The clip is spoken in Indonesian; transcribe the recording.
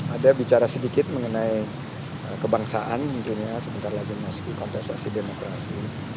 ada bicara sedikit mengenai kebangsaan tentunya sebentar lagi masuk kontestasi demokrasi